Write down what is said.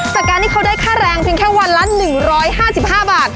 จากการที่เขาได้ค่าแรงเพียงแค่วันละ๑๕๕บาท